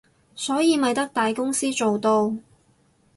所以咪得大公司做到